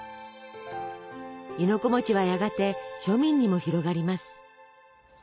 亥の子はやがて庶民にも広がります。